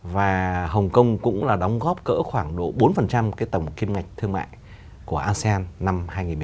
và hồng kông cũng là đóng góp cỡ khoảng độ bốn tổng kim ngạch thương mại của asean năm hai nghìn một mươi bảy